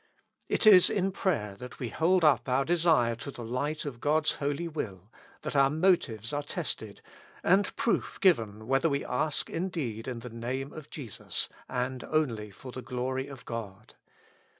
It is in prayer that we hold up our desire to the light of God's Holy Will, that our motives are tested, and proof given whether we ask indeed in the name of* Jesus, and only for the glory of God.